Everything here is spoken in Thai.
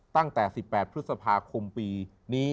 ตั้งแต่๑๘พฤษภาคมปีนี้